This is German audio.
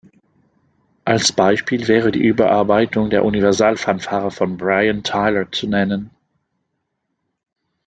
Als Beispiel wäre die Überarbeitung der Universal-Fanfare von Brian Tyler zu nennen.